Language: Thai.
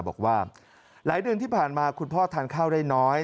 บอกว่าหลายเดือนที่ผ่านมาคุณพ่อทานข้าวได้น้อย